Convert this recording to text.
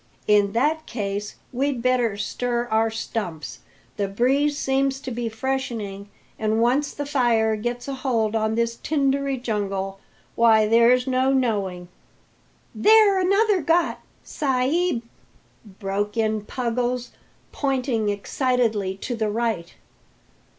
"In that case we'd better stir our stumps. The breeze seems to be freshening, and once the fire gets a hold on this tindery jungle, why, there's no knowing " "There another got, sa'b!" broke in Puggles, pointing excitedly to the right.